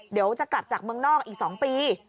เดี๋ยวจะกลับจากเมืองนอกอีก๒ปี